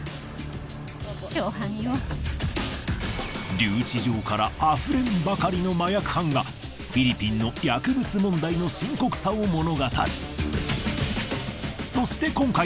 留置場からあふれんばかりの麻薬犯がフィリピンの薬物問題の深刻さを物語る。